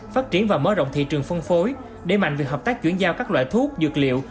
phát triển và mở rộng thị trường phân phối để mạnh việc hợp tác chuyển giao các loại thuốc dược liệu